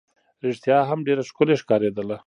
رښتیا هم ډېره ښکلې ښکارېده.